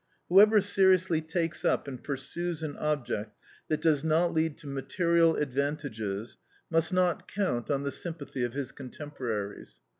Whoever seriously takes up and pursues an object that does not lead to material advantages, must not count on the sympathy of his contemporaries.